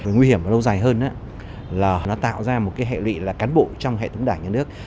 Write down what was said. nguy hiểm lâu dài hơn là nó tạo ra một cái hệ lụy là cán bộ trong hệ thống đảng và nhà nước